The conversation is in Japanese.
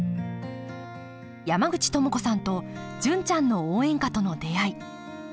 山口智子さんと「純ちゃんの応援歌」との出会い。